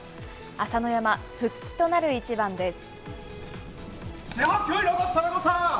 朝乃山、復帰となる一番です。